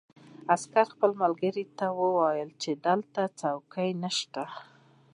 عسکر خپل ملګري ته وویل چې دلته څوک نشته